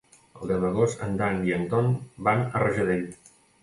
El deu d'agost en Dan i en Ton van a Rajadell.